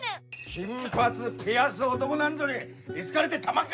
金髪ピアス男なんぞに居つかれでたまっか！